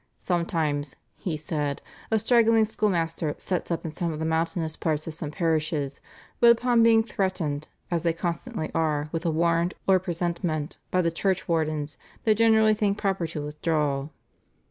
"Sometimes," he said, "a straggling schoolmaster sets up in some of the mountainous parts of some parishes, but upon being threatened, as they constantly are, with a warrant, or a presentment by the church wardens, they generally think proper to withdraw."